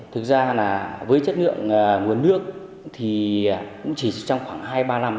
thực ra là với chất lượng nguồn nước thì cũng chỉ trong khoảng hai ba năm